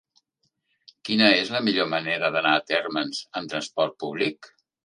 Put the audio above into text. Quina és la millor manera d'anar a Térmens amb trasport públic?